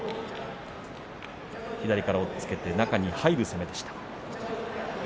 左から押っつけて中に入る攻めでした。